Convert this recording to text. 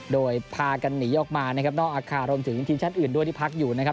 โดยพากันหนีออกมานะครับนอกอาคารรวมถึงทีมชาติอื่นด้วยที่พักอยู่นะครับ